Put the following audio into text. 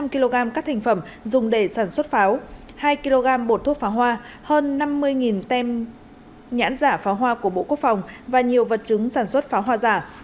một trăm linh kg các thành phẩm dùng để sản xuất pháo hai kg bột thuốc pháo hoa hơn năm mươi tem nhãn giả pháo hoa của bộ quốc phòng và nhiều vật chứng sản xuất pháo hoa giả